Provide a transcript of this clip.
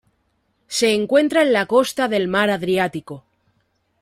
Se encuentra en la costa del Mar Adriático.